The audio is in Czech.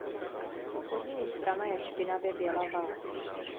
Spodní strana je špinavě bělavá.